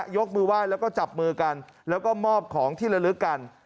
ยกมือไหว้แล้วก็จับมือกันแล้วก็มอบของที่ละลึกกัน